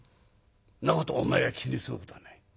「そんなことお前が気にすることはない。